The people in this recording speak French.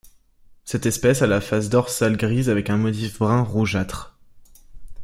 Cette espèce a la face dorsale grise avec une motif brun rougeâtre.